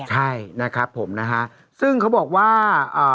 ใช่นะครับผมนะฮะซึ่งเขาบอกว่า